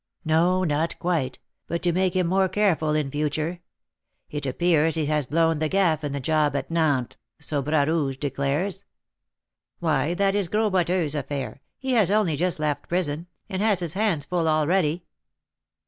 "No, not quite, but to make him more careful in future. It appears he has 'blown the gaff' in the job at Nantes, so Bras Rouge declares." "Why, that is Gros Boiteux's affair; he has only just left prison, and has his hands full already."